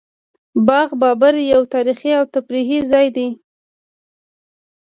باغ بابر یو تاریخي او تفریحي ځای دی